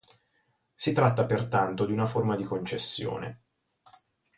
Si tratta pertanto di una forma di concessione.